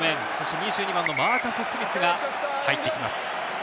２２番のマーカス・スミスが入ってきます。